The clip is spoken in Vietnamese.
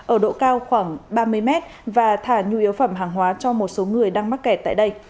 ở độ cao khoảng ba mươi m và thả nhu yếu phẩm hàng hóa cho một số người đang mắc kẹt tại đây